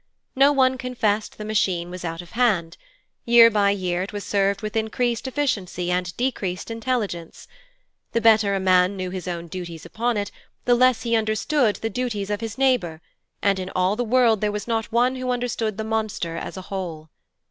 No one confessed the Machine was out of hand. Year by year it was served with increased efficiency and decreased intelligence. The better a man knew his own duties upon it, the less he understood the duties of his neighbour, and in all the world there was not one who understood the monster as a whole.